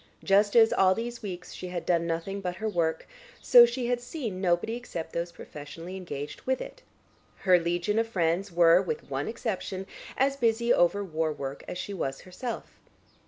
Just as, all these weeks, she had done nothing but her work, so she had seen nobody except those professionally engaged with it. Her legion of friends were, with one exception, as busy over war work as she was herself.